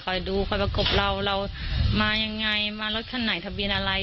ดูคอยประกบเราเรามายังไงมารถคันไหนทะเบียนอะไร